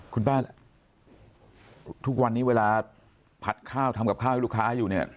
คุณป้าทุกวันนี้เวลาผัดข้าวทำกับข้าวให้ลูกค้าอยู่เนี่ย